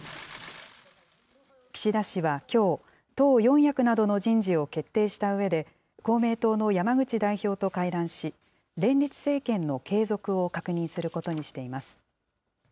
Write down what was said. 岸田氏はきょう、党四役などの人事を決定したうえで、公明党の山口代表と会談し、連立政権の継続を確認することにしています。